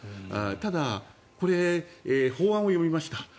ただ、これ法案を読みました。